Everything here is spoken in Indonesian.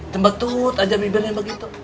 jembat tut aja bibirnya begitu